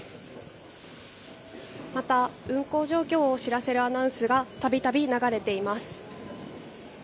また、運行状況を知らせるアナウンスがたびたび流れています。